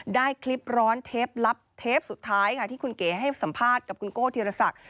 ได้คลิปร้อนเทปลับเทปสุดท้ายค่ะที่คุณเก๋ให้สัมภาษณ์กับคุณโก้ธีรศักดิ